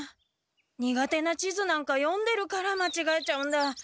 苦手な地図なんか読んでるからまちがえちゃうんだ。